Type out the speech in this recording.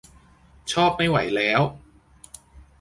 ชอบไม่ไหวแล้ว !